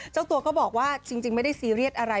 เจ้าตัวก็บอกว่าจริงไม่ได้ซีเรียสอะไร